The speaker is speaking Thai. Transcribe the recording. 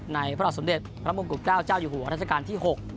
พระบาทสมเด็จพระมงกุฎเกล้าเจ้าอยู่หัวรัชกาลที่๖